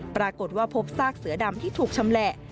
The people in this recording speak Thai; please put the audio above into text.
ปรากฏว่าพบซากเสือดำที่ถูกชำแหละ